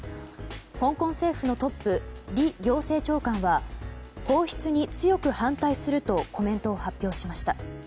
香港政府のトップリ行政長官は放出に強く反対するとコメントを発表しました。